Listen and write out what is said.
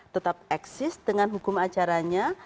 tetap eksis dengan hukum acaranya